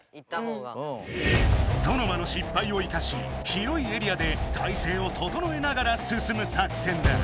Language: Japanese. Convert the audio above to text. ソノマの失敗を生かし広いエリアで体勢をととのえながら進む作戦だ。